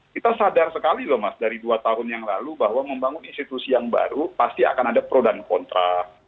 kita sadar sekali loh mas dari dua tahun yang lalu bahwa membangun institusi yang baru pasti akan ada pro dan kontra